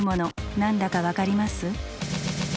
何だか分かります？